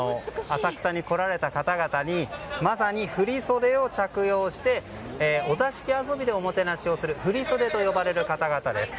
浅草に来られた方々にまさに振り袖を着用してお座敷遊びでおもてなしをする振り袖と呼ばれる方々です。